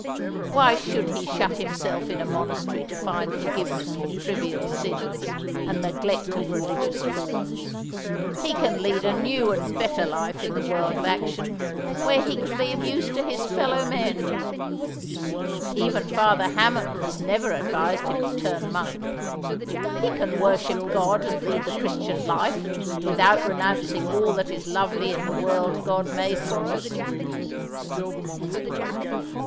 Why should he shut himself in a monastery to find forgiveness for trivial sins, and neglect of religious forms? He can lead a new and better life in the world of action, where he can be of use to his fellow men. Even Father Hammond has never advised him to turn monk. He can worship God, and lead the Christian life, without renouncing all that is lovely in the world God made for us."